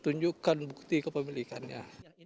tunjukkan bukti kepemilikannya